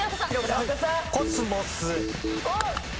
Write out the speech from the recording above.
コスモス。